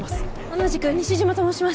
同じく西島と申します。